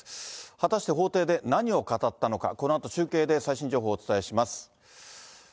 果たして法廷で何を語ったのか、このあと、中継で最新情報をお伝えします。